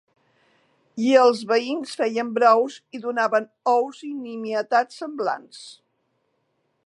I els veïns feien brous i donaven ous i nimietats semblants.